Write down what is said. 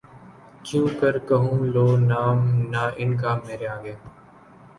کیوں کر کہوں لو نام نہ ان کا مرے آگے